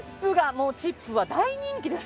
もうチップは大人気です